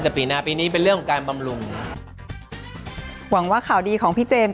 แต่ปีหน้าปีนี้เป็นเรื่องของการบำรุงหวังว่าข่าวดีของพี่เจมส